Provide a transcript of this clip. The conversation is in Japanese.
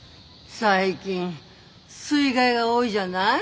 最近水害が多いじゃない？